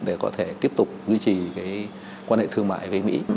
để có thể tiếp tục duy trì quan hệ thương mại với mỹ